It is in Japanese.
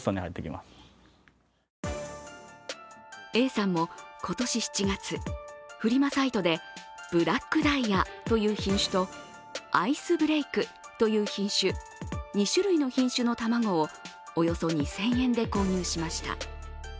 Ａさんも今年７月フリマサイトでブラックダイヤという品種とアイスブレイクという品種、２種類の品種の卵をおよそ２０００円で購入しました。